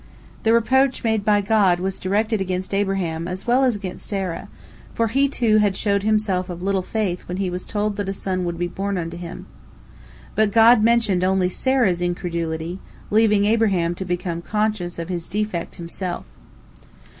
" The reproach made by God was directed against Abraham as well as against Sarah, for he, too, had showed himself of little faith when he was told that a son would be born unto him. But God mentioned only Sarah's incredulity, leaving Abraham to become conscious of his defect himself.